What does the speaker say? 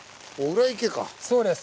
そうです。